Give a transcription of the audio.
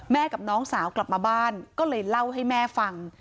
กับน้องสาวกลับมาบ้านก็เลยเล่าให้แม่ฟัง